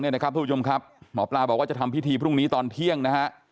ทุกผู้ชมครับหมอปลาบอกว่าจะทำพิธีพรุ่งนี้ตอนเที่ยงนะฮะ